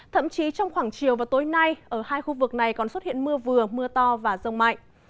thậm chí trong khoảng chiều và tối nay ở hai khu vực này còn xuất hiện mưa vừa mưa to và rông mạnh